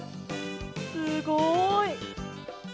すごい！